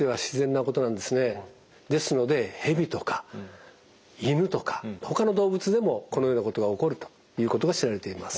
ですので蛇とか犬とかほかの動物でもこのようなことが起こるということが知られています。